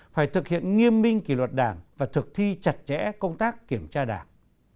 phải thực hiện nghiêm minh kỷ luật đảng và thực thi chặt chẽ công tác kiểm tra đảng